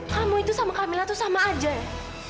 kamu itu sama camilla itu sama aja ya